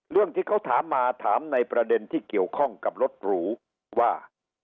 เรื่องที่เขาถามมาถามในประเด็นที่เกี่ยวข้องกับรถหรูว่า